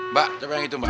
mbak coba yang itu mbak